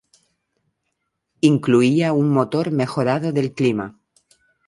Incluía un motor mejorado del clima.